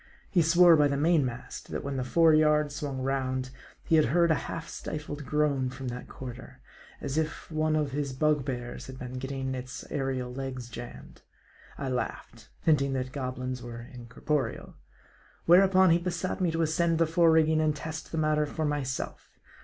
He swore by the main mast, that when the fore yard swung round, he had heard a half stifled groan from that quarter ; as if one of his bugbears had been getting its aerial legs jammed. I laughed : hinting that goblins were incorporeal. Where upon he besought me to ascend the fore rigging and test the matter for myself.